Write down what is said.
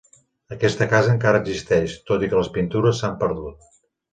Aquesta casa encara existeix, tot i que les pintures s'han perdut.